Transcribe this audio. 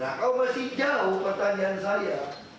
nah kau masih jauh pertanyaan saya